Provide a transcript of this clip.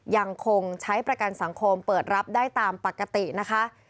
ยังคงใช้ประกันสังคมเปิดรับได้ตามปกตินะคะ